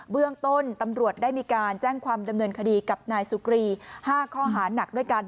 เบื้องต้นตำรวจได้มีการแจ้งความดำเนินคดีกับนายสุกรี๕ข้อหานักด้วยกัน